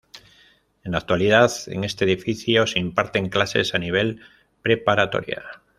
En la actualidad, en este edificio se imparten clases a nivel preparatoria.